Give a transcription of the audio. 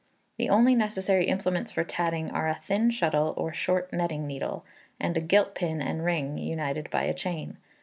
The only necessary implements for tatting are a thin shuttle or short netting needle, and a gilt pin and ring, united by a chain.